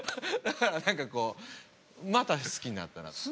だから何かこうまた好きになったなと。